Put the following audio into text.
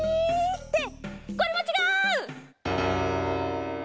ってこれもちがう！